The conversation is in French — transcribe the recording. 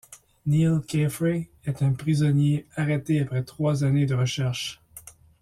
Neal Caffrey est un prisonnier arrêté après trois années de recherche.